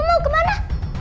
ibu mau ke mana